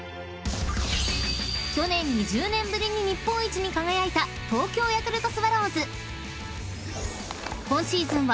［去年２０年ぶりに日本一に輝いた東京ヤクルトスワローズ］